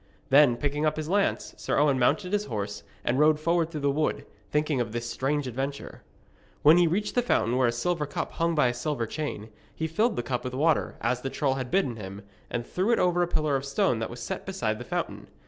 Then, picking up his lance, Sir Owen mounted his horse, and rode forward through the wood, thinking of this strange adventure. When he reached the fountain where a silver cup hung by a silver chain, he filled the cup with water, as the troll had bidden him, and threw it over a pillar of stone that was set beside the fountain.